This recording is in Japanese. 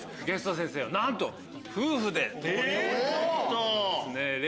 ゲスト先生はなんと夫婦で。